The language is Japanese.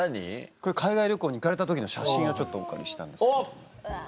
これ海外旅行に行かれた時の写真をお借りしたんですけども。